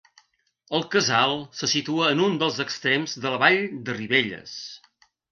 El casal se situa en un dels extrems de la Vall de Ribelles.